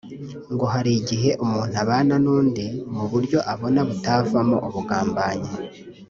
ngo hari igihe umuntu abana n’undi mu buryo abona butavamo ubungambanyi